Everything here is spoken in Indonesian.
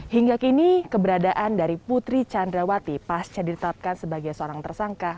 hingga kini keberadaan dari putri candrawati pasca ditetapkan sebagai seorang tersangka